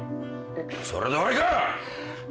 それで終わりか！